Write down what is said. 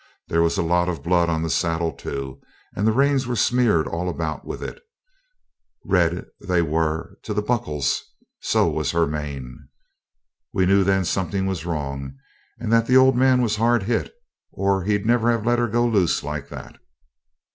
There was a lot of blood on the saddle too, and the reins were smeared all about with it; red they were to the buckles, so was her mane. We knew then something was wrong, and that the old man was hard hit, or he'd never have let her go loose like that.